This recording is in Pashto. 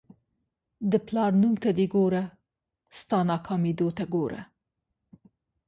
د پلار نوم ته دې ګوره ستا ناکامېدو ته ګوره.